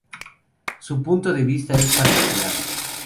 Su punto de vista es particular.